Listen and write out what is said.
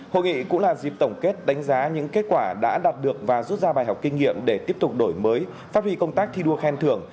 hội nghị cũng là dịp tổng kết đánh giá những kết quả đã đạt được và rút ra bài học kinh nghiệm để tiếp tục đổi mới phát huy công tác thi đua khen thưởng